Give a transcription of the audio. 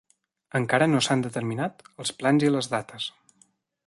Encara no s'han determinat els plans i les dates.